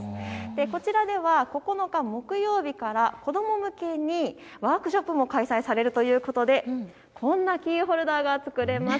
こちらでは９日木曜日から子ども向けにワークショップも開催されるということでこんなキーホルダーが作れるます。